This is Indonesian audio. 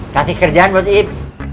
kasih kerjaan buat ip